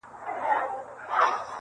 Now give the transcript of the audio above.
په اساس کي بس همدغه شراکت دئ-